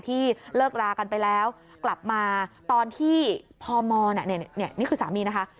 ที่เลิกลากันไปแล้วกลับมาตอนที่พอมอเนี่ยเนี่ยเนี่ยนี่คือสามีนะคะ